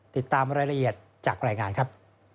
ติดตามรายละเอียดจากรายงานครับ